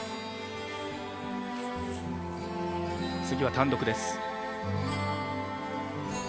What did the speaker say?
次は単独です。